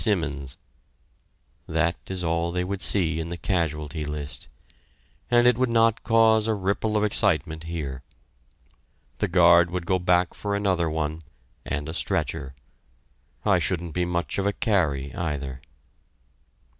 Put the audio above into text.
Simmons" that is all they would see in the casualty list, and it would not cause a ripple of excitement here. The guard would go back for another one, and a stretcher... I shouldn't be much of a carry, either!